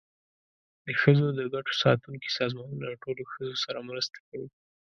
د ښځو د ګټو ساتونکي سازمانونه د ټولو ښځو سره مرسته کوي.